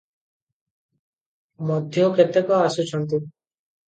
ମଧ୍ୟ କେତେକ ଆସୁଛନ୍ତି ।